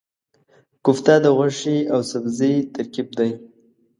کوفته د غوښې او سبزي ترکیب دی.